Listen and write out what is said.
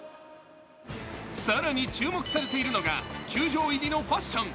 更に注目されているのが球場入りのファッション。